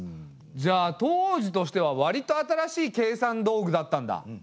じゃあ当時としてはわりと新しい計算道具だったんだ。